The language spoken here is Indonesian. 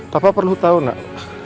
papa perlu tahu nak